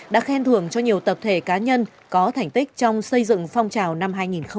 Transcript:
đã khen thưởng cho nhiều tập thể cá nhân có thành tích trong xây dựng phong trào năm hai nghìn một mươi tám